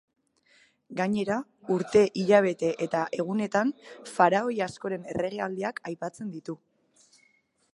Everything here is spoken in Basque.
Gainera, urte, hilabete eta egunetan, faraoi askoren erregealdiak aipatzen ditu.